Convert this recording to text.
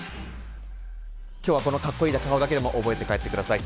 きょうはこのかっこいい顔だけでも覚えて帰ってください。